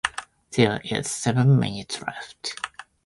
There is seven minutes left.